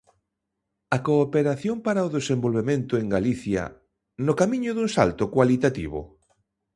A cooperación para o desenvolvemento en Galicia: no camiño dun salto cualitativo?